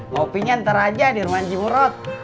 kopinya ntar aja di rumah haji murad